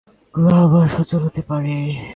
ওগুলো আবার সচল হতে পারে।